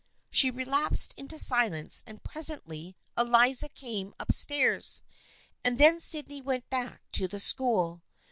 She relapsed into silence and presently Eliza came up stairs, and then Sydney went back to the school.